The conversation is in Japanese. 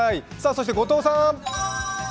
そして後藤さん。